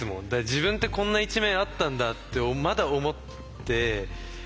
自分ってこんな一面あったんだってまだ思ってる中で。